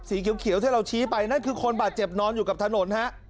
สีเขียวที่เราชี้ไปนั่นคือคนบาดเจ็บนอนอยู่กับถนนฮะ